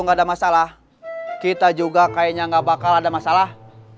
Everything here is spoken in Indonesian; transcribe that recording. nggak ada masalah kita juga kayaknya nggak bakal ada masalah